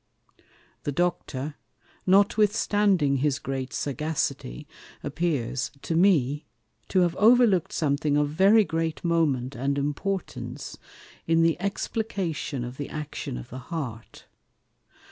The Doctor, notwithstanding his great Sagacity, appears (to me) to have overlook'd something of very great moment, and importance in the explication of the Action of the Heart.